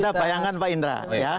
ada bayangan pak indra